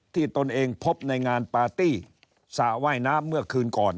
ตนเองพบในงานปาร์ตี้สระว่ายน้ำเมื่อคืนก่อน